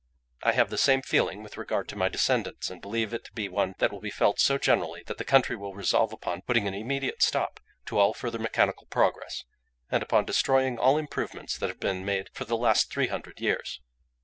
I have the same feeling with regard to my descendants, and believe it to be one that will be felt so generally that the country will resolve upon putting an immediate stop to all further mechanical progress, and upon destroying all improvements that have been made for the last three hundred years.